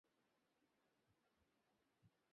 লাবণ্য মাথা হেঁট করে চুপ করে বসে রইল।